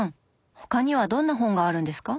他にはどんな本があるんですか？